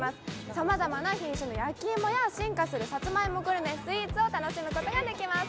さまざまな品種の焼き芋や進化するさつまいもグルメやスイーツを楽しむことができます。